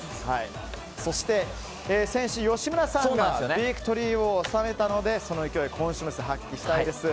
そして、先週吉村さんがビクトリーを納めたのでその勢い、今週も発揮したいです。